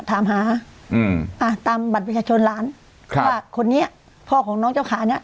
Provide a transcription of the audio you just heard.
ถามฮามืออ่ะตามบัตรวิชชนฮไลน์ครับคนเนี้ยพ่อของน้องเจ้าขานี้